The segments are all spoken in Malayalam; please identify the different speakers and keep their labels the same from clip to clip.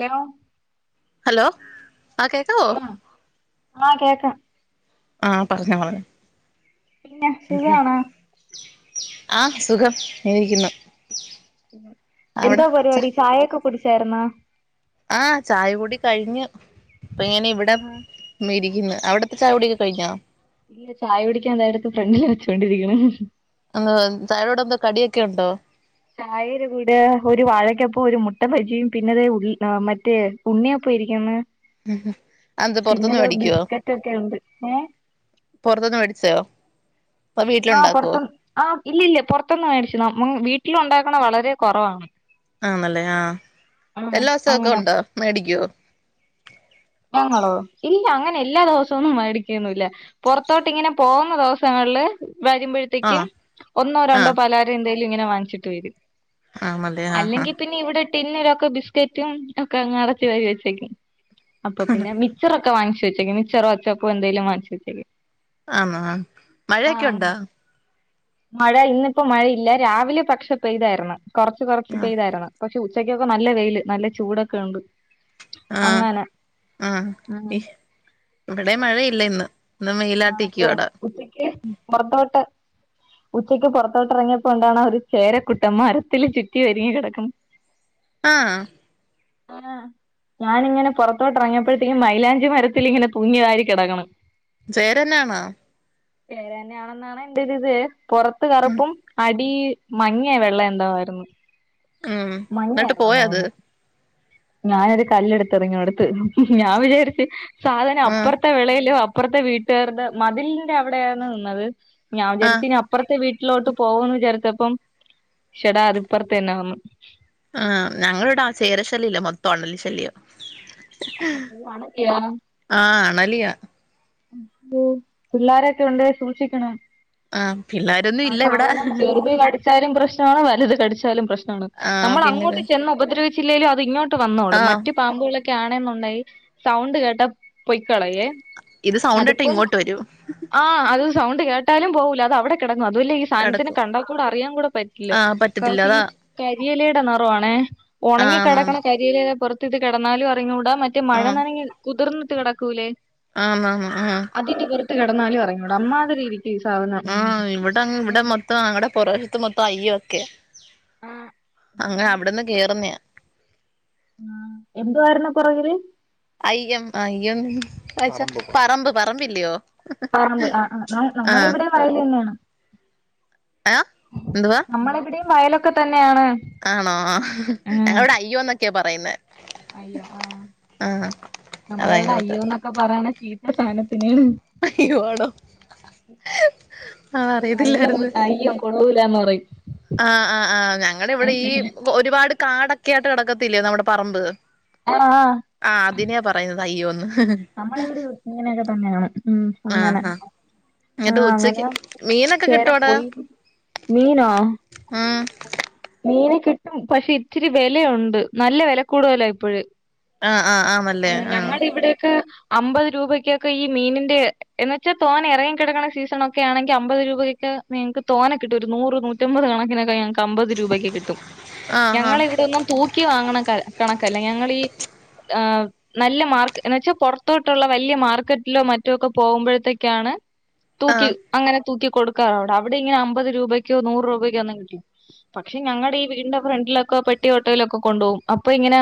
Speaker 1: ലോ
Speaker 2: ഹലോ ആഹ് കേൾക്കാമോ
Speaker 1: ആഹ് കേക്കാം
Speaker 2: ആഹ് പറഞ്ഞോ പറഞ്ഞോ
Speaker 1: പിന്നെ സുഖണോ
Speaker 2: ആഹ് സുഖം ഇങ്ങനിരിക്കുന്നു
Speaker 1: എന്താ പരിപാടി ചായയൊക്കെ കുടിച്ചായിരുന്നോ
Speaker 2: ആ ചായ കുടി കഴിഞ്ഞു പയനവിടെ
Speaker 1: ആഹാ
Speaker 2: മേരി ന്നു അവിടത്തെ ചായ കുടിയൊക്കെ കഴിഞ്ഞോ?
Speaker 1: ഇല്ല ചായ കുടിക്കാൻ ഇതാ എടുത്ത് ഫ്രണ്ടില് വെച്ചൊണ്ടിരിക്ക്ണ്
Speaker 2: ആ ചായെടെ കൂടെ എന്തോ കടിയൊക്കെ ഉണ്ടോ?
Speaker 1: ചായയുടെ കൂടെ ഒരു വാഴക്കപ്പവും ഒരു മുട്ടബജിയും പിന്നെതെ ഉള് മറ്റേ ഉണ്ണിയപ്പോ ഇരിക്കിന്ന്
Speaker 2: ഉം ഉം അതെന്ത് പൊറത്ത്ന്ന് മേടിക്കുവോ
Speaker 1: ബിസ്ക്കറ്റ് ഒക്കെ ഉണ്ട് ഏഹ്
Speaker 2: പൊറത്ത്ന്ന് മേടിച്ചോ അതോ
Speaker 1: ആ
Speaker 2: വീട്ടിലുണ്ടാക്കുവോ
Speaker 1: പുറത്ത്ന്ന് ആ ഇല്ല ഇല്ല പൊറത്തൊന്ന മേടിച്ചണം വീട്ട വീട്ടിലുണ്ടാക്കണ വളരെ കുറവാണ്
Speaker 2: ആണല്ലേ ആ
Speaker 1: ആഹ്
Speaker 2: എല്ലാ സൊക്കെ
Speaker 1: അങ്ങനെ
Speaker 2: ഉണ്ടാ മേടിക്കോ?
Speaker 1: ഞങ്ങളോ ഇല്ല അങ്ങനെ എല്ലാ ദിവസൊന്നും മേടിക്കൊന്നുല്ല പൊറത്തോട്ട് ഇങ്ങനെ പോകുന്ന ദിവസങ്ങളില് വരുമ്പഴത്തേക്ക്
Speaker 2: ആഹ്
Speaker 1: ഒന്നോ രണ്ടോ
Speaker 2: ആഹ്
Speaker 1: പലഹാരം എന്തേ ഇങ്ങനെ വാങ്ങിച്ചിട്ട് വരും
Speaker 2: ആന്നല്ലേ ആഹ് ആഹ്
Speaker 1: അല്ലെങ്കിൽ പിന്നെ ഇവിടെ പിന്നരൊക്കെ ബിസ്കറ്റും ഒക്കെ അടച്ച വരി വെച്ചേക്ക അപ്പൊ പിന്നെ മിച്ചറൊ വാങ്ങിച്ചു വെച്ചേക്കും മിച്ചർ അച്ചപ്പോ എന്തേലും വാങ്ങിച്ചു വച്ചേക്കും
Speaker 2: ആന്ന ആ മഴയൊക്കെ ഉണ്ടാ
Speaker 1: അങ്ങനെ മഴ ഇന്നിപ്പോ മഴയില്ല രാവിലെ പക്ഷെ പെയ്തായിരുന്നു കൊറച്ച് കൊറച്ച്
Speaker 2: ആഹ്
Speaker 1: പെയ്തിരുന്നു- പക്ഷെ ഉച്ചക്കൊക്കെ നല്ല വെയില് നല്ല ചൂടൊക്കെ ഉണ്ട് അങ്ങനെ
Speaker 2: ആ
Speaker 1: ആഹ്
Speaker 2: ഈ ഇവിടെ മഴയില്ല ഇന്ന് ഇന്ന് മെയിലാട്ടിക്കു
Speaker 1: ആണല്ലേ
Speaker 2: അടാ
Speaker 1: ഉച്ചക്ക് പുറത്തോട്ട് ഉച്ചക്ക് പുൊറത്തോട്ട് ഇറങ്ങിയപ്പോണ്ടാണ് ഒരു ചേരക്കുട്ടം മരത്തില് ചുറ്റി വരിങ്ങി കിടക്കും
Speaker 2: ആ
Speaker 1: ആ ഞാനിങ്ങനെ പുറത്തോട്ട് ഇറങ്ങിയപ്പോഴത്തേക്കും മൈലാഞ്ചി മരത്തിൽ ഇങ്ങനെ പൂങ്ങ കാരി കിടക്കണം
Speaker 2: പേരെന്നാണ
Speaker 1: ചേര തന്നെയാണെന്നാണ് എന്റെ ഒരു ഇത് പുറത്ത് കറുപ്പും അ അടി മഞ്ഞയ വെള്ള എന്താവായിരുന്നു
Speaker 2: ഉം എന്നിട്ട് പോയ അത്
Speaker 1: ഞാനൊരു കല്ലെടുത്ത് എറിഞ്ഞ് കൊടുത്തു ഞാൻ വിചാരിച്ചു സാധനം
Speaker 2: ആഹ്
Speaker 1: അപ്പുറത്തെ വിളല് അപ്പറത്തെ വീ ചെറ്ത മതിലിന്റെ അവിടെയാണ് നിന്നത് ഞാൻ
Speaker 2: ആഹ്
Speaker 1: വിചാരിച്ചു ആ അപ്പുറത്തെ വീ വീട്ടിലോട്ട് പോകന്ന് വിചർച്ചപ്പം ശെടാ അതിപ്പുറത്തന്നെ വന്ന്
Speaker 2: ആ ഞങ്ങളടാ ചേരശല്ല്ല മൊത്തം ആണ്ണല്ലി ശല്യോ ആ ആണലിയാ
Speaker 1: പിള്ളോരൊക്കെ ഉണ്ട സൂക്ഷിക്കണം
Speaker 2: ആഹ് പിള്ളോരൊന്നും
Speaker 1: ആ
Speaker 2: ഇല്ല ഇവിടെ
Speaker 1: സാധനം ചെത് കടിച്ചാലും പ്ര വലത് കിച്ചാലും പ്രശ്
Speaker 2: ആഹ്
Speaker 1: നമ്മൾ
Speaker 2: പിന്നെത്
Speaker 1: അങ്ങോട്ട് ചെന്ന് ഉപദ്രവിച്ചില്ലേലും ഇങ്ങോ ട്ട് വന്നോളൂ
Speaker 2: ആഹ്
Speaker 1: മറ്റു പാമ്പു കാണന്നുണ്ടായി സൗണ്ട് കേട്ട പൊയ്ക്കളയേ
Speaker 2: ഇത് സൗണ്ടിട്ട്
Speaker 1: അതിപ്പം
Speaker 2: ഇങ്ങോട്ട് വരും
Speaker 1: ആ അത് സൗണ്ട് കേട്ടാലും പോകൂല അത അവിടെ അതല്ലേ ഈ സാധനത്തിനെ
Speaker 2: കെടക്കും
Speaker 1: കണ്ടാൽ കൂടെ അറിയാൻ കൂടെ പറ്റില്ല
Speaker 2: ആഹ് പറ്റത്തില്ല അതാ
Speaker 1: വിയലയുടെ നിറ ആണേ ഉണങ്ങി കിടക്കണ
Speaker 2: ആന്നാന്ന്
Speaker 1: കരിയില പുറത്ത് ഇത് ഇട്കിടന്നാലും അറിഞ്ഞുടാ മറ്റേ
Speaker 2: ആഹ്
Speaker 1: മഴന്നാണെങ്കിൽ കുതിർന്ന കിടക്കൂലേ
Speaker 2: ആഹ് ആഹമ്
Speaker 1: ത്തി കിടന്നാലും അറിഞ്ഞൂട അമ്മാതിരി ഈ സാധനം
Speaker 2: ആഹ് ഇവിടെ ഇവിടെ മൊത്തം അങ്ങടെ പുറവശത്ത് മൊത്തം അയ്യ ഒക്കെയാ
Speaker 1: ആ
Speaker 2: അങ്ങ അവിട്ന്ന് കേറുന്നയ
Speaker 1: ആഹ് എന്തുവാരുന്നു പുറകില്
Speaker 2: അയ്യം അയ്യം പറമ്പ് പറമ്പില്ലയോ
Speaker 1: പറമ്പ് ആ ആ നമ്മള്
Speaker 2: ആഹ്
Speaker 1: ഇവിടെയും വയലെന്നെയാണ്
Speaker 2: ആ എന്തുവാ
Speaker 1: നമ്മളെവിടെയും വയലൊക്കെ തന്നെയാണ്
Speaker 2: ആണോ ആഹ്
Speaker 1: ഉം
Speaker 2: ഞങ്ങളിവിടെ അയ്യോന്നൊക്കെയ പറ- പറയുന്നെ
Speaker 1: അയ്യം ആഹ്
Speaker 2: ആഹ് അതാ
Speaker 1: നമ്മളെവിടെ
Speaker 2: ഞങ്ങ ഇവിടുത്തെ
Speaker 1: അയ്യൊന്നൊക്കെ പറയണ- ചീത്ത സാന-
Speaker 2: അയ്യോ ആണോ ആഹ്
Speaker 1: അയ്യം
Speaker 2: അറിയത്തില്ലായിരുന്നു
Speaker 1: അയ്യം കൊള്ളൂല്ലാന്ന് പറയും
Speaker 2: ആഹ് ആഹ് ആഹ് ഞങ്ങള് ഈ ഒരു പാട് കാടക്കെയാട്ട് കിടക്കത്തില്ലെ നമ്മടെ പറമ്പ്
Speaker 1: ആ ആ
Speaker 2: ആ അതിനെയാ പറയുന്ന- അയ്യോ ന്ന്
Speaker 1: നമ്മളിവിടെ ഇങ്ങനെ തന്നെയാണ് മം
Speaker 2: ആഹ്
Speaker 1: അങ്ങനെ
Speaker 2: ആഹ്
Speaker 1: ആ
Speaker 2: എന്നിട്ട് ഉച്ചക്ക് മീനൊക്കെ
Speaker 1: അങ്ങനെചേര പോയി മീനോ
Speaker 2: ആഹ്
Speaker 1: മീനെ കിട്ടും പക്ഷെ ഇച്ചിരി വിലയുണ്ട് നല്ല വിലകൂടല ഇപ്പഴ്
Speaker 2: ആ ആ ആമല്ലേ ആ
Speaker 1: അമ്പത് രൂപക്കെ ഈ മീനിൻന്റെ എന്ന വച്ചാൽ തോനെ ഇറങ്ങി കിടക്കണ സീസണൊക്കെ ആണെങ്കിൽ അമ്പത് രൂപയ്ക്ക് നിങ്ങൾക്ക് തോനെ കിട്ടും ഒരു നൂറ് നൂറ്റമ്പത് കണക്കിനൊക്കെ ഞങ്ങൾക്ക് അമ്പ രൂപ കിട്ടും
Speaker 2: ആഹ്
Speaker 1: ഞങ്ങ ഇവിടെന്നും തൂക്കി വാങ്ങണ കണക്കല്ല ഞങ്ങളി ഈ നല്ല മാർക്ക് എന്ന വെച്ചാൽ പുറത്തോട്ടുള്ള വലിയ മാർക്കറ്റിലോ മറ്റോ ഒക്കെ പോകുമ്പോഴത്തേക്കാണ് തൂക്കി
Speaker 2: ആഹ്
Speaker 1: അങ്ങനെ തൂക്കി കൊടുക്കാറോ അവിടെ ഇങ്ങന അമ്പത് രൂപയ്ക്കോ നൂറ് രൂപക്കോ ഒന്നും കിട്ടില്ല പക്ഷെ ഞങ്ങടെ ഈ വീടിന്റെ ഫ്രണ്ടിലൊക്കെ പെട്ടി ഓട്ടയിലൊക്കെ കൊണ്ട്പോകും അപ്പൊ ഇങ്ങനെ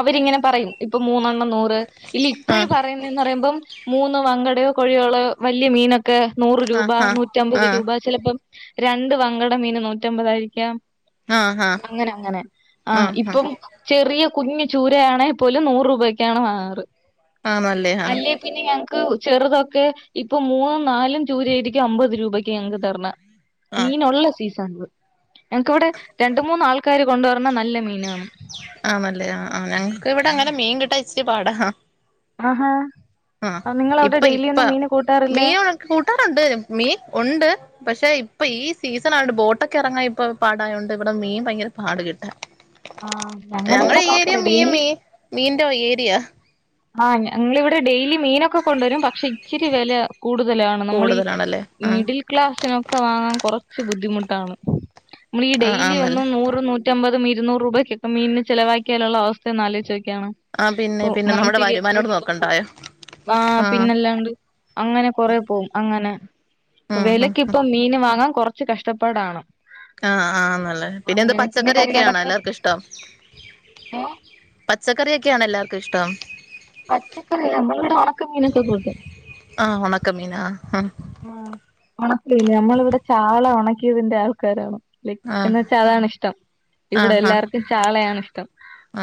Speaker 1: അവരിങ്ങനെ പറയും ഇപ്പൊ മൂന്നെണ്ണം നൂറ് ഇല്ല
Speaker 2: ആഹ്
Speaker 1: ഇപ്പഴ്
Speaker 2: ആഹ്
Speaker 1: പറയുനേന്ന് പറയുമ്പം മൂന്ന് വങ്കടയോ കൊഴിയാളയൊ വലിയ മീനൊക്കെ നൂറ് രൂപ
Speaker 2: ആഹ് ആഹ്
Speaker 1: നൂറ്റമ്പത്
Speaker 2: ആഹ്
Speaker 1: രൂപ ചിലപ്പോം രണ്ട് വങ്കട മീന് നൂറ്റമ്പതായിരിക്കാം
Speaker 2: ആഹ് ആഹ്
Speaker 1: അങ്ങനെ അങ്ങനെ ആഹ
Speaker 2: ആഹ് ആഹ്
Speaker 1: ഇപ്പം ചെറിയ കുഞ്ഞ് ചൂരയാണേൽ പോലും നൂറ് രൂപയ്ക്കാണ് വാങ്ങാറ്
Speaker 2: ആണല്ലേ ആഹ്
Speaker 1: അല്ലേ പിന്നെ ക്ക് ചെറുതൊക്കെ ഇപ്പൊ മൂന്നും നാലും ചൂരയായിരിക്കും അമ്പത് രൂപക്ക് ഞങ്ങക്ക് തരണേ
Speaker 2: ആഹ്
Speaker 1: മീൻ ഉള്ള സീസൺസ് ഞങ്ങൾക്കിവിടെ രണ്ടു മൂന്നുആള്ക്കാര് കൊണ്ട് വരുന്നേ നല്ല മീനാണ്
Speaker 2: ആ ഞങ്ങൾക്കിവിടെ അങ്ങനെ മീൻ കിട്ടാൻ ഇച്ചിരി പാട
Speaker 1: ആഹാ
Speaker 2: ആ
Speaker 1: നിങ്ങളവിടെ
Speaker 2: ഇപ്പം
Speaker 1: ഡെയിലി ഒന്നും
Speaker 2: ഇപ്പം
Speaker 1: മീന് കൂട്ടാറില്ല
Speaker 2: മീൻ കൂട്ടാറുണ്ട് മീൻ ഉണ്ട് പക്ഷെ ഇപ്പൊ ഈ സീസൺ ആയോണ്ട് ബോട്ടൊക്കെ ഇറങ്ങാൻ ഇപ്പൊ പാടായോണ്ട് ഇവിടെ മീൻ ഭയങ്കര പാട് കിട്ടാൻ
Speaker 1: ആഹ്
Speaker 2: ഞങ്ങടെ
Speaker 1: ഇവിടെ
Speaker 2: ഈ ഏരിയ
Speaker 1: കൊഴപ്പല്ല
Speaker 2: മീൻ
Speaker 1: ഡെയിലി
Speaker 2: മീ മീന്റെ ഏരിയാ
Speaker 1: ആ ഞങ്ങടെ ഇവിടെ ഡെയിലി മീനൊക്കെ കൊണ്ടുവരും പക്ഷെ ഇച്ചിരി വേല കൂടുതലാണ് നമ്മളീ
Speaker 2: കൂടുതലാണല്ലേ ആഹ്
Speaker 1: മിഡിൽ ക്ലാസ്സിനൊക്കെ വാങ്ങാൻ കൊറ ച്ച് ബുദ്ധിമുട്ടാണ് നമ്മൾ ഈ
Speaker 2: ആഹ്
Speaker 1: ഡെയിലി
Speaker 2: ആന്നല്ലേ
Speaker 1: എന്നും നൂറും നൂറ്റി മ്പതും ഇരൂനൂറുരൂപയൊക്കെ മീനിന് ചിലവാക്കിയാലുള്ള അവസ്ഥ ഒന്ന് ആലോചിച്ചു നോക്കിയേ ക്കണം
Speaker 2: ആഹ് പിന്നെ
Speaker 1: ഇപ്പൊ
Speaker 2: പിന്നെ നമ്മുടെ
Speaker 1: മന്ത്‌ലി എത്ര
Speaker 2: വരുമാനോട്
Speaker 1: രൂപം പോകും
Speaker 2: നോക്കണ്ടായോ
Speaker 1: ആ
Speaker 2: ആഹ്
Speaker 1: പിന്നല്ലാണ്ട് അങ്ങനെ കൊറെ പോം അങ്ങനെ
Speaker 2: ഉം ഉം
Speaker 1: വിലക്ക്
Speaker 2: ഉം
Speaker 1: ഇപ്പം മീൻ വാങ്ങാൻ കൊറച്ച് കഷ്ടപ്പാടാണ്
Speaker 2: ആ ആന്നല്ലേ പിന്നെ എന്ത്
Speaker 1: അങ്ങനെ
Speaker 2: പച്ചക്കറിയെ ക്കെയാണോ
Speaker 1: കറികളൊക്കെ വെച്ച്
Speaker 2: എല്ലാർക്കും ഇഷ്ടം
Speaker 1: ഏഹ്
Speaker 2: പച്ചക്കറിയെക്കെയാണോ എല്ലാ ഇഷ്ടം
Speaker 1: പച്ചക്കറി അല്ല നമ്മളിവിടെ ഉണക്കമീനൊക്കെ കൂട്ടും
Speaker 2: ആ ഉണക്കമീനാ ആ
Speaker 1: ആ ഒണ [unintelligible] നമ്മളിവിടെ ചാള ഒണക്കിയതിന്റെ ആൾക്കാരാണ്
Speaker 2: ആ
Speaker 1: എന്നുവെച്ചാ അതാണ് ഇഷ്ടം
Speaker 2: ആ
Speaker 1: ഇവിടെ
Speaker 2: ആ
Speaker 1: എല്ലാർക്കും ചാളയാണ് ഇഷ്ടം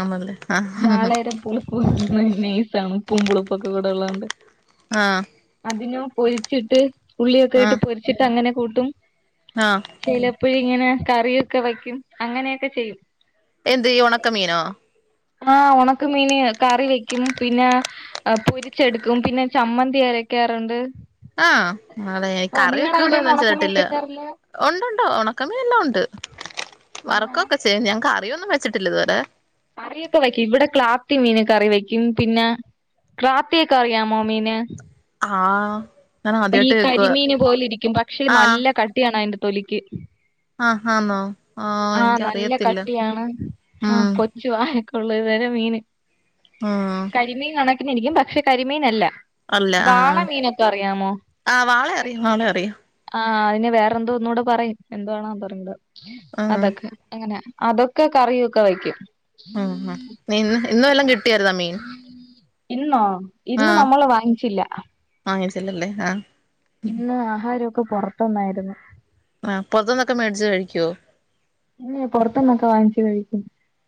Speaker 2: ആണല്ലേ ആ
Speaker 1: ചാളെരെ പുളിപ്പും നൈസാണ് ഉപ്പും പുളിപ്പു ക്കെക്കൂടെ ഉള്ളോണ്ട്
Speaker 2: ആ
Speaker 1: അതിന പോയി ട്ട് ഉള്ളിയൊക്കെ
Speaker 2: ആ
Speaker 1: ഇട്ട് പൊച്ചിട്ട അങ്ങനെ കൂട്ടും
Speaker 2: ആ
Speaker 1: ചിലപ്പോ ഇങ്ങനെ കറിയൊക്കെ വയ്ക്കും അങ്ങനെയൊക്കെ ചെയ്യും
Speaker 2: എന്ത് ഈ ഒണക്ക മീനോ
Speaker 1: ആ ഒണക്ക മീന് കറി വെക്കും പിന്നെ പൊരിച്ചെടുക്കും പിന്നെ ചമ്മന്തി അരക്കാറൊണ്ട്
Speaker 2: ആ അതെ കറി
Speaker 1: അവിടെയൊന്നും
Speaker 2: വെക്കുന്നോന്നും
Speaker 1: ഒണക്കമീൻ
Speaker 2: ചെയ്തിട്ടില്ല
Speaker 1: കിട്ടാറില്ല
Speaker 2: ഉണ്ടുണ്ടോ ഉണക്കമീൻ എല്ലാം ഉണ്ട്
Speaker 1: ആഹാ
Speaker 2: വർക്കൊക്കെ ചെയ്യും ഞാൻ കാ റിയൊന്നും വച്ചിട്ടില്ല ഇതുവരെ
Speaker 1: കറിയൊക്കെ വെക്കും ഇവിടെ ക്ലാത്തി മീൻ കറി വെക്കും പിന്നെ ക്ലാത്തിയ ഒക്കെ അറിയാമോ മീന്
Speaker 2: ആഹ്
Speaker 1: ഈ കരിമീൻ പോലെ ഇരിക്കും പക്ഷെ നല്ല കട്ടിയാണ് അയിന്റെ തൊലിക്ക്.
Speaker 2: ആഹ് ആന്നോ ആഹ് എനിക്കറിയത്തില്ല ഉം
Speaker 1: ഉള്ള ഇ വരെ മീന്
Speaker 2: ഉം
Speaker 1: കരിമീൻ കണെ രിക്കും പക്ഷെ കരിമീനല്ല വാള മീനൊക്കെ അറിയാമോ
Speaker 2: ആഹ് വാളെ അറിയാം വാളെ അറിയാം
Speaker 1: ആഹ് അതിനെ വേറെ എന്തോ ഒന്നുടെ പറയും എന്തോവാണോ പറയണ്ട
Speaker 2: ഉം
Speaker 1: അതൊക്കെ എങ്ങനെ അതൊക്കെ കറിയൊക്കെ വയ്ക്കും
Speaker 2: ഉം ഉം ഇന്ന് ഇന്ന് വല്ലാം കിട്ടിയരുന്നാ മീൻ
Speaker 1: ഇന്നോ ഇന്ന് നമ്മള് വാങ്ങിച്ചില്ല
Speaker 2: [unintelligible] ല്ലില്ലേ ആഹ്
Speaker 1: ഇന്ന് ആഹാരം ക്ക് പൊറത്തന്നായിരുന്നു
Speaker 2: ആഹ് പൊറത്തന്നൊക്കെ മേടിച് കഴിക്കുവോ
Speaker 1: [unintelligible] പൊറത്ത്ന്നൊക്കെ വാങ്ങിച്ചു കഴിക്കും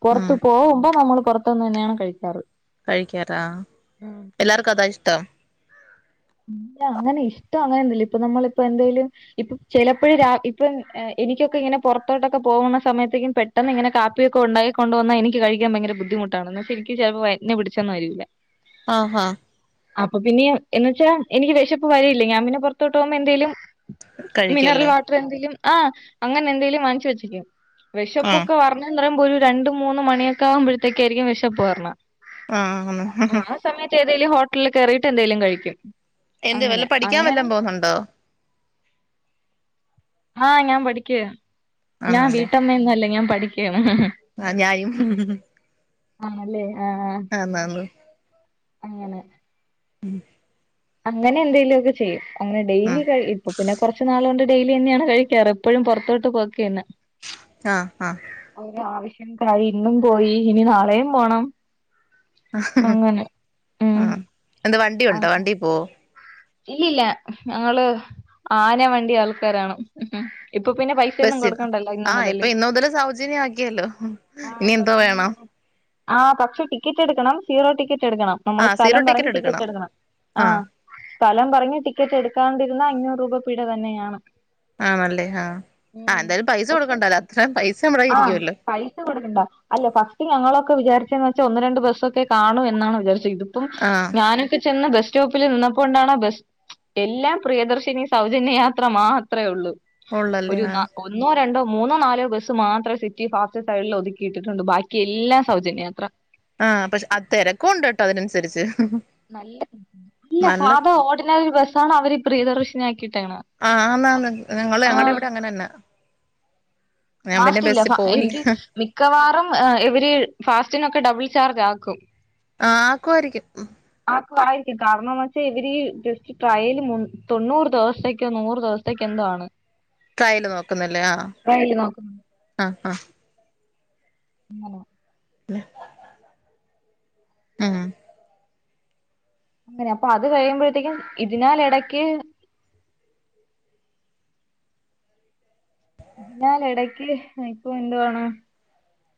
Speaker 1: പൊറത്ത്
Speaker 2: ഉം
Speaker 1: പോവുമ്പോ നമ്മള് പുറ പൊറത്തന്ന്ന്നെയാണ് കഴിക്കാറ്
Speaker 2: കഴിക്കാരാ എല്ലാർക്കും അതാ ഇഷ്ടം
Speaker 1: അല്ല അങ്ങനെ ഇഷ്ടം അങ്ങനെ ഒന്നുല്ല ഇപ്പ നമ്മളിപ്പ എന്തേലും ഇപ്പ ചെലപ്പഴെ ഇപ്പൊ എനിക്കൊക്കെ ഇങ്ങനെ പൊറത്തോട്ടൊക്കെ പോകുന്ന സമയത്തേക്കും പെട്ടെന്ന് ഇങ്ങനെ കാപ്പിയൊക്കെ ഉണ്ടാക്കി കൊണ്ട വന്നാ എനിക്ക് കഴിക്കാൻ ഭയങ്കര ബുദ്ധിമുട്ടാണ്ന്ന്വെച്ച എനിക്ക് ചിലപ്പോ വയറ്റ്ന്ന് പിടിച്ചന്നും വരില്ല
Speaker 2: ആഹ് അഹ്
Speaker 1: അപ്പൊ പിന്യ എ പക്ഷേ എനിക്ക് വെഷപ്പ് വരെല്ല ഞാൻ പിന്നെ പൊറത്തോട്ട് പോമ്പോ എന്തേലും മിനറൽ
Speaker 2: കഴിക്കുവല്ലേ
Speaker 1: വാട്ടർ എന്തെലും ആഹ് അങ്ങനെ എന്തെലും വാങ്ങിച്ചു വെച്ചേക്കും
Speaker 2: ആഹ്
Speaker 1: വിശപ്പൊക്കെ വറ അത്രപോരു രണ്ട് മൂന്ന് മണിയൊക്കെ ആകുമ്പോഴത്തേക്കായിരിക്കും വെശപ്പ് വരണേ
Speaker 2: ആഹ് ആണ്
Speaker 1: എതെലും ഹോട്ലിൽ കെറിട്ട് എന്തേലും കഴിക്കും
Speaker 2: എന്ത് വല്ല
Speaker 1: അങ്ങനെ
Speaker 2: പഠിക്കാൻ
Speaker 1: അങ്ങനെ
Speaker 2: വല്ലം പോുന്നുണ്ടോ
Speaker 1: ആഹ് ഞാൻ പഠിക്കാ ഞാൻ വീട്ടമ്മയയൊന്നും ഞാൻ പഠിക്കുവാ ക്കാണ്
Speaker 2: ആ ഞാനും
Speaker 1: ആണ് അല്ലേ
Speaker 2: ആന് ആന്
Speaker 1: അങ്ങനെ
Speaker 2: ഉം
Speaker 1: അങ്ങനെ എന്തെലും ഒക്കെ ചെയ്യും അങ്ങനെ
Speaker 2: ഉം
Speaker 1: ഡെയിലി ഇപ്പ പിന്നെ കുറച്ച നാളുക കൊണ്ട് ഡെയിലിതന്നെയാണ് കഴിക്കാറ് എപ്പോഴും പുറത്തോട്ട് പോക്ക് തന്നെ
Speaker 2: ആഹ ആഹ
Speaker 1: ഇന്നും പോയി ഇനി നാളെയും പോണം
Speaker 2: ഹ ഹിയ്
Speaker 1: അങ്ങനെ
Speaker 2: ആ
Speaker 1: ഉം
Speaker 2: എന്താ വണ്ടി ഉണ്ടോ വണ്ടി പോവ
Speaker 1: ഇല്ലല്ല ഞങ്ങള് ആന വണ്ടി ആൾക്കാരാണ് ഇപ്പൊ പിന്നെ പൈസയൊന്നും
Speaker 2: ബസ്സ
Speaker 1: കൊടുക്കണ്ടല്ലോ ഇന്ന്
Speaker 2: ആഹ് ഇപ്പൊ
Speaker 1: മുതല്
Speaker 2: ഇന്നു മുതൽ സൗജന്യ ആക്കിയല്ലോ
Speaker 1: ആഹ്
Speaker 2: ഇനി എന്തോ
Speaker 1: സൗജന്യം
Speaker 2: വേണം
Speaker 1: തന്നെ ആ പക്ഷെ ടിക്കറ്റ് എടുക്കണം സീറോ ടിക്കറ്റ് ടിക്കറ്റ് എടുക്കണം നമ്മള് സ്ഥലം പറങ്ങി ടിക്കറ്റ് എടുക്കണം ആഹ് ഞൻ പറഞ് ടിക്കറ്റ് എടുക്കാണ്ടിരുന്ന അഞ്ഞൂറ് രൂപ പിഴ തന്നെയാണ്
Speaker 2: ആണല്ലേ ആഹ ആ
Speaker 1: ഉം
Speaker 2: എന്തായാലും പൈസ
Speaker 1: പക്ഷെ
Speaker 2: കൊടുക്കണ്ടല്ല അത്ര പൈസ
Speaker 1: ആ
Speaker 2: നമ്മടൊയിരിക്കുവല്ലോ
Speaker 1: നമ്മൾ ഒക്കെ വിചാരിച്ചെന്ന് വെച്ചൽ ഒന്ന് രണ്ട് ബസ്സൊക്കെ കാണും എന്നാണ് വിചാരിച്ചു ഇതിപ്പം
Speaker 2: ആഹ്
Speaker 1: ഞാനൊക്കെ ചെന്ന ബെസ്റ്റ് സ്റ്റോപ്പില് നിന്നപ്പോ കൊണ്ടാണോ ബസ് എല്ലാം പ്രിയദർശിനി സൗജന്യ യാത്ര മാത്രമേ ഉള്ളൂ
Speaker 2: ഉള്ളല്ലേ
Speaker 1: ഒരു
Speaker 2: ആഹ്
Speaker 1: ഒന്നോ രണ്ടോ മൂന്നോ നാലോ ബസ്സ് മാത്രം സിറ്റി ഫാസ്റ്റ് സൈഡിൽ ഒതുക്കിയിട്ടിട്ടുണ്ട് ബാക്കി എല്ലാം സൗജന്യംയാത്ര
Speaker 2: ആഹ പക്ഷെ ആ തിരക്കും ഉണ്ട് കേട്ടോ അതിനനുസരിച്ച്
Speaker 1: നല്ല അല്ല
Speaker 2: നല്ല
Speaker 1: സാധാ ഓടിനറി ബസ്സണ് അവര് പ്രിയദർശിനി
Speaker 2: ആഹ ആന് ആണ് ഞങ്ങടെ ഇവിടെ അങ്ങനെ തന്നെ ആ
Speaker 1: ഫാസ്റ്റില്ല
Speaker 2: പോയില്ല
Speaker 1: എനിക്ക് മിക്കവാറും ഇവര് ഫാസ്റ്റ് നൊക്കെ ഡബിൾ ചാർജ് ആക്കും
Speaker 2: ആ ആക്കുമായിരിക്കും
Speaker 1: ആക്കുവാരിക്കും കാരണം വച്ചാൽ ഇവര് ഈ ജസ്റ്റ് ട്രയൽ തൊണ്ണൂറ് ദിവസത്തേക്കോ നൂറ് ദിവസത്തേക്കോ എന്താണ്
Speaker 2: ട്രയല് നോക്കുന്നില്ലേ ആഹ
Speaker 1: നോക്കുന്നതാണ്
Speaker 2: ആഹ ആഹ [inaudible]
Speaker 1: [unintelligible]
Speaker 2: പിന്നെ [inaudible] മ്
Speaker 1: അങ്ങനെ അപ്പൊ അത് കഴിയുമ്പോഴത്തേക്കും ഇതിനാൽ ഇടക്ക് [inaudible] ആതിനാൽ ഇടക്ക് ഇപ്പ എന്തുവാണ്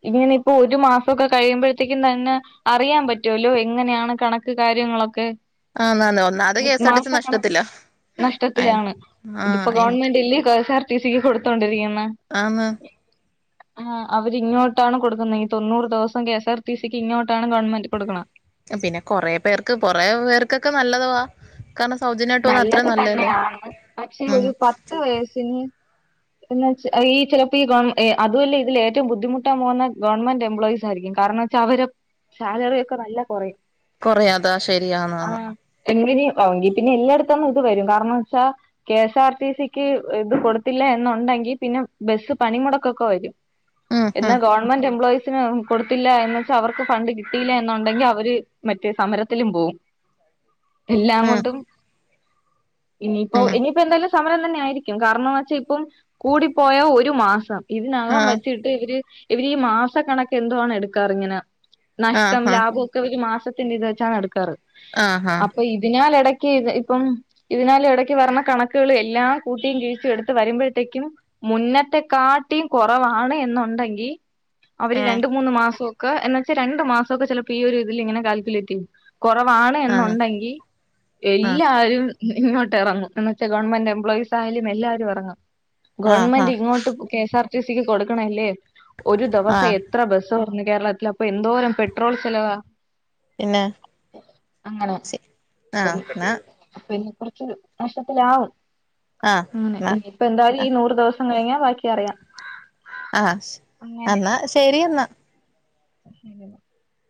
Speaker 1: ഇങ്ങനെ ഇപ്പോ ഒരു മാസമൊക്കെ കഴിയുമ്പോഴത്തേക്കും തന്നെ അറിയാൻ പറ്റുവല്ലോ എങ്ങനെയാണ് കണക്ക് കാര്യങ്ങളൊക്കെ
Speaker 2: ആന്ന് ആന്ന് ഒന്നാമത് കെ എസ് ആർ ടി
Speaker 1: മാസ
Speaker 2: സി
Speaker 1: കണക്ക്
Speaker 2: നഷ്ടത്തിലാ
Speaker 1: നഷ്ടത്തിലാണ് ഇതിപ്പോ
Speaker 2: ആഹ്
Speaker 1: ഗവൺമെന്റില് കെ സാർ സിസിക്ക് കൊടുതൊണ്ടിരിക്കുന്നു
Speaker 2: ആന്ന്
Speaker 1: ആ അവര് ഇങ്ങോട്ടാണ് കൊടുക്കുന്നത് തൊണൂറ് ദിവസം കെ സാർ ടി സിക്ക് ഇങ്ങോട്ട്
Speaker 2: പിന്നെ കൊറേ പേർക്ക് കൊറേ പേർ ഒക്കെ നല്ലതുവാ കാരണം സൗജന്യമായിട്ട് വന്ന
Speaker 1: നല്ലത്
Speaker 2: അത്രയും നല്ലതല്ലേ
Speaker 1: തന്നെയാണ് പക്ഷെ ഒരു
Speaker 2: ഉം
Speaker 1: പത്ത് വയസിന് എന്നു വെച്ച് ഈ ചിലപ്പോ ഈ ഗവൺ അതുമല്ല ഇതിൽ ഏറ്റവും ബുദ്ധിമുട്ടാൻ പോകുന്ന ഗവൺമെന്റ് എംപ്ലോയിസ് ആയിരിക്കും കാരണം വെച്ചാ അവടെ സാലറി ഒക്കെ നല്ല കുറയും
Speaker 2: കൊറയാതാ
Speaker 1: ആ
Speaker 2: ശരിയാന്നാന്
Speaker 1: എങ്ങനെ ആങ്കിൽ പിന്നെ എല്ലായിടത്തൊന്നും ഇത് വരും കാരണംന്ന് വെച്ചാ കെ എസ് ആർ ടി സിക്ക് ഇത് കൊടുത്തില്ല എന്നുണ്ടെങ്കിൽ പിന്നെ ബസ്സ് പണിമുടക്കൊക്കെ വരും
Speaker 2: ഉം
Speaker 1: എന്ന
Speaker 2: ഉം
Speaker 1: ഗവൺമെന്റ് എംപ്ലോയീസ് കൊടുത്തില്ല എന്ന് വെച്ച അവർക്ക് ഫണ്ട് കിട്ടിയില്ല എന്നുണ്ടെങ്കിൽ അവര് മറ്റേ സമരത്തിലും പോവും എല്ലാം
Speaker 2: ഉം
Speaker 1: കൊണ്ടും ഇനിയിപ്പോ
Speaker 2: ഉം
Speaker 1: ഇനിയിപ്പോ എന്താലും സമരം തന്നെ ആയിരിക്കും കാരണംന്ന് വെച്ചാൽ ഇപ്പം കൂടിപ്പോയ ഒരു മാസം ഇത്നഖം വച്ചിട്ട് ഇവര് ഇവര് ഈ മാസ കണക്ക് എന്തുവാണ് എടുക്കാറ് ഇങ്ങനെ
Speaker 2: ആഹ് ആഹ്
Speaker 1: നഷ്ടം ലാഭമൊക്കെ ഒരു മാസ ത്തിന്റെ ഇത് വെച്ചാണ് എടുക്കാറ്
Speaker 2: ആഹ്
Speaker 1: അപ്പൊ ഇതിനാൽ ഇട ഇപ്പം ഇതിനാൽ ഇടക്ക് വരണ കണക്കുകൾ എല്ലാം കൂട്ടിയും കീഴിച്ചും എടുത്ത് വരുമ്പോഴത്തേക്കും മുന്നത്തെക്കാട്ടിയും കുറവാണ് എന്നുണ്ടെങ്കിൽ അവര്
Speaker 2: ആഹ്
Speaker 1: രണ്ട് മൂന്ന് മാസം ക്കെ എന്ന വെച്ചാ രണ്ടണ്ട് മാസമ ഒക്കെ ചിലപ്പോ ഈ ഒരു ഇതിൽ ഇങ്ങനെ കാൽക്കുലേറ്റ് ചെയ്യും കുറവാണ്
Speaker 2: ആഹ്
Speaker 1: എന്നുണ്ടെങ്കിൽ
Speaker 2: ആഹ്
Speaker 1: എല്ലാരും ഇങ്ങട്ട് ഇറങ്ങും എന്ന് വച്ചാ ഗവൺമെന്റ് എംപ്ലോയിസ് ആയാലും എല്ലാരും ഇറങ്ങും
Speaker 2: ആഹ്
Speaker 1: ഗവൺമെന്റ്
Speaker 2: ആഹ്
Speaker 1: ഇങ്ങോട്ട് കെ സാർ ടിസ്സിക്ക് കൊടുക്കണല്ലേ ഒരു ദിവസം
Speaker 2: ആഹ്
Speaker 1: എത്ര ബസ്സും അന്ന് കേരളത്തില അപ്പൊ എന്തോരം പെട്രോൾ ചെലവാ
Speaker 2: എന്നാ
Speaker 1: അങ്ങനെ
Speaker 2: [unintelligible] ആ എന്നാ [unintelligible] [unintelligible]
Speaker 1: പിന്നെ കുറച്ചരു നഷ്ടത്തിലകും
Speaker 2: ആഹ്
Speaker 1: അങ്ങനെ
Speaker 2: ന്നാ
Speaker 1: ഇനിയിപ്പ എന്തായാലും ഈ നൂറ് ദിവസം ബാക്കി അറിയാം
Speaker 2: ആ
Speaker 1: അങ്ങനെ
Speaker 2: എന്നാ ശരി എന്നാ
Speaker 1: [unintelligible]